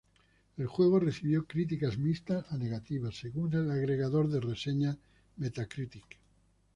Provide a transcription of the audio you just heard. El juego recibió "críticas mixtas a negativas" según el agregador de reseñas Metacritic.